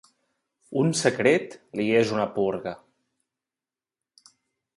Un secret li és una purga.